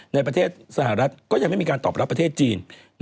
ในประเทศสหรัฐก็ยังไม่มีการตอบรับประเทศจีน